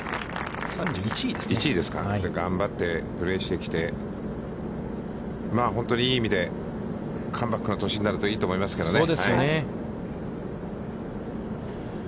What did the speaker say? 頑張ってプレーしてきて、本当にいい意味でカムバックの年になるといいですけどね。